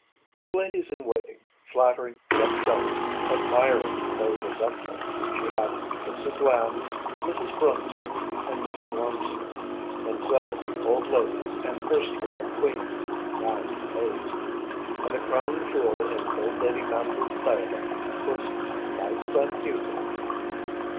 As ladies in waiting, flattering yet jealous, admiring though resentful, she had Mrs. Lamb, Mrs. Brunswick, and Mrs. Wormser, themselves old ladies and erstwhile queens, now deposed. And the crown jewel in old lady Mandle's diadem was my son Hugo.